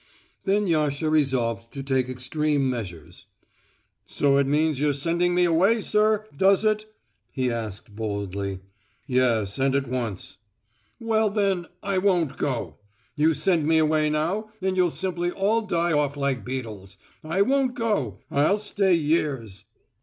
Then Yasha resolved to take extreme measures. "So it means you're sending me away, sir, does it?" he asked boldly. "Yes, and at once." "Well then, I won't go. You send me away now, and you'll simply all die off like beetles. I won't go. I'll stay years!"